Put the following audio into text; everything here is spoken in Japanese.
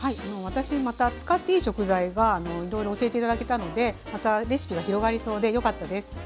私また使っていい食材がいろいろ教えて頂けたのでまたレシピが広がりそうでよかったです。